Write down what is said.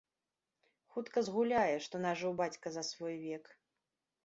Хутка згуляе, што нажыў бацька за свой век.